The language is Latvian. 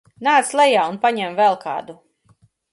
Nāc lejā un paņem vēl kādu!